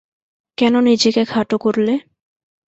কেন নিজেকে খাটো করলে?